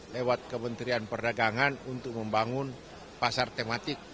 lewat kementerian perdagangan untuk membangun pasar tematik